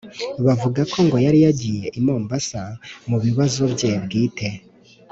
bavuga ko ngo yari yagiye i mombasa mu bibazo bye bwite